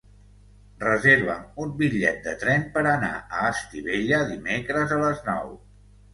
Reserva'm un bitllet de tren per anar a Estivella dimecres a les nou.